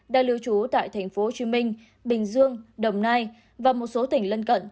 đang lưu trú tại tp hcm bình dương đồng nai và một số tỉnh lân cận